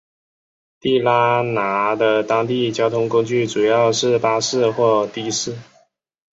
地拉那的当地交通工具主要是巴士或的士。